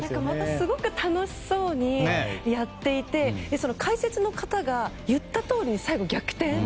またすごく楽しそうにやっていて解説の方が言ったとおりに最後逆転。